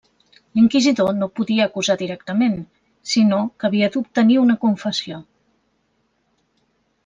L'inquisidor no podia acusar directament, sinó que havia d'obtenir una confessió.